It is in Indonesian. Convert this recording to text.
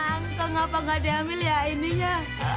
engka kenapa gak diambil ya ininya